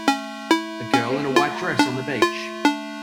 A girl in a white dress on the beach.